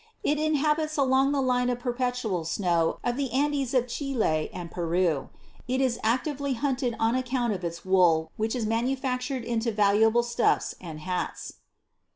It inhabits along the line of per petual snow of the Andes of Chile and Peru ; it is actively hunted on account of its wool which is manufactured into valuable stuffs, and hats.